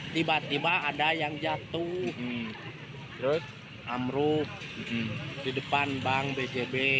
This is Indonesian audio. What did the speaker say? tiba tiba ada yang jatuh terus amruk di depan bank bjb